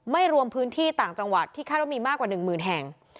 รวมพื้นที่ต่างจังหวัดที่คาดว่ามีมากกว่า๑หมื่นแห่ง